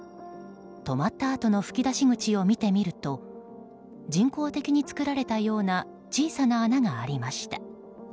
止まったあとの噴き出し口を見てみると人工的に作られたような小さな穴がありました。